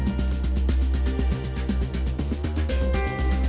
แล้วหนิพี่น้องกลุ่มใจรู้สึกแท่ครึ่งที่